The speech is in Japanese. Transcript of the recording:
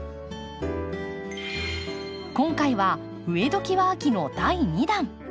今回は「植えどきは秋！」の第２弾。